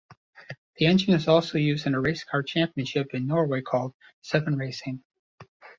The engine is also used in a racecar championship in Norway called SevenRacing.